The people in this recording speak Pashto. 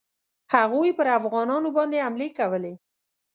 هغوی پر افغانانو باندي حملې کولې.